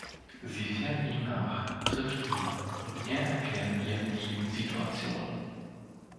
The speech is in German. Sie fährt ihm nach, trifft ihn und er erklärt ihr die Situation.